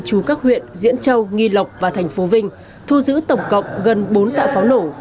chú các huyện diễn châu nghi lộc và thành phố vinh thu giữ tổng cộng gần bốn tạ pháo nổ